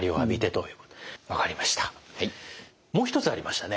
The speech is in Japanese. もう一つありましたね。